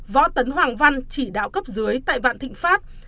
võ tấn hoàng văn chỉ đạo cấp dưới tại vạn thịnh pháp